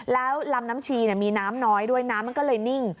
แล้วลำน้ำชีมีน้ำน้อยด้วยน้ำมันก็เลยนิ่ง